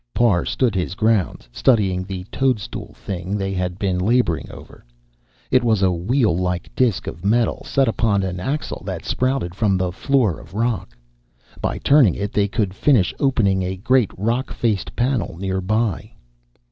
Parr stood his ground, studying the toadstool thing they had been laboring over. It was a wheel like disk of metal, set upon an axle that sprouted from the floor of rock. By turning it, they could finish opening a great rock faced panel near by....